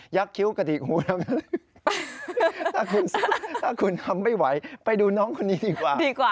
ถ้าคุณทำไม่ไหวไปดูน้องคนนี้ดีกว่า